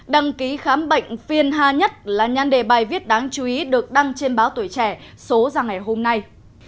đăng ký khám bệnh phiên hà nhất là nhan đề bài viết đáng chú ý được đăng trên báo tuổi trẻ số ra ngày hôm nay